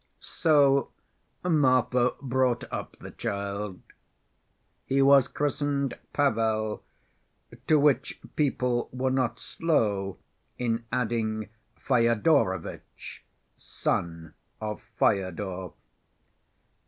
So Marfa brought up the child. He was christened Pavel, to which people were not slow in adding Fyodorovitch (son of Fyodor).